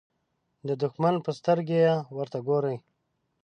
د دښمن په سترګه ورته ګوري.